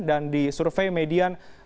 dan di survei median